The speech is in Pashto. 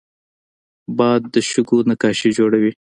باد د شګو نقاشي جوړوي